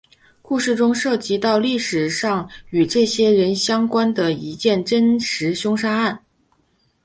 故事中涉及到历史上与这些人相关的一件真实凶杀案。